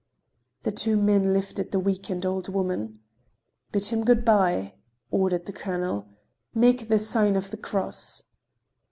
The two men lifted the weakened old woman. "Bid him good by!" ordered the colonel. "Make the sign of the cross."